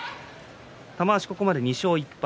玉鷲、ここまで２勝１敗。